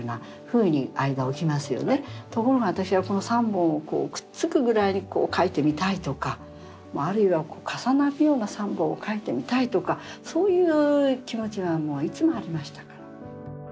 ところが私はこの３本をこうくっつくぐらいに書いてみたいとかあるいは重なるような３本を書いてみたいとかそういう気持ちはもういつもありましたから。